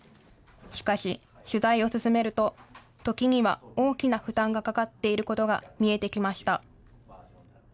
しかし、取材を進めると、時には大きな負担がかかっていることが見えてきました。